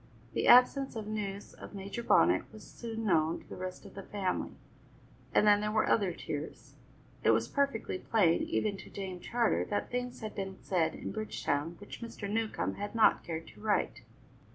The absence of news of Major Bonnet was soon known to the rest of the family, and then there were other tears. It was perfectly plain, even to Dame Charter, that things had been said in Bridgetown which Mr. Newcombe had not cared to write.